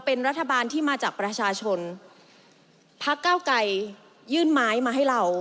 พระเก้าไกยยื่นไม้มาให้เรา